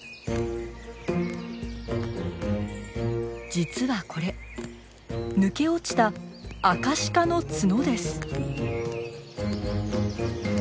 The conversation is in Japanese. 実はこれ抜け落ちたアカシカの角です。